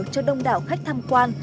cho đông đảo khách thăm quan